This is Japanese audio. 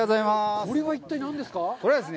これは一体何ですか？